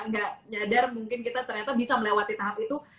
gak nyadar mungkin kita ternyata bisa melewati tahap itu